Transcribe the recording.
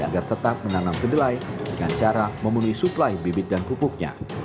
agar tetap menanam kedelai dengan cara memenuhi suplai bibit dan pupuknya